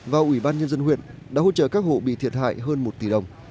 và ủy ban nhân dân huyện đã hỗ trợ các hộ bị thiệt hại hơn một tỷ đồng